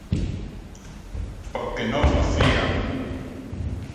¡Porque non o facían!